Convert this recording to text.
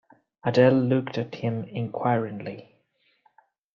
Adele looked at him inquiringly.